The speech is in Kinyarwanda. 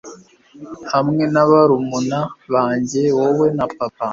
hamwe na barumuna banjye, wowe na papa